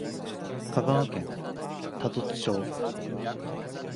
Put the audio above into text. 香川県多度津町